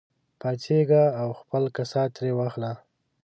پاڅېږه او خپل کسات ترې واخله.